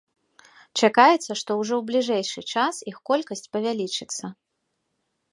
Чакаецца, што ўжо ў бліжэйшы час іх колькасць павялічыцца.